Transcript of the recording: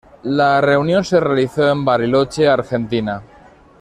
La reunión se realizó en Bariloche, Argentina.